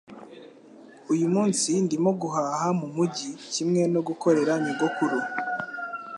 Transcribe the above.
Uyu munsi ndimo guhaha mumujyi kimwe no gukorera nyogokuru